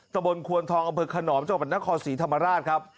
ตะบนควรทองอเบิกขนอมจากบรรณครสีธรรมราชครับ